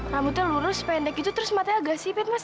rambutnya lurus pendek gitu terus matanya agak sipit mas